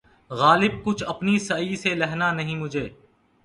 غالبؔ! کچھ اپنی سعی سے لہنا نہیں مجھے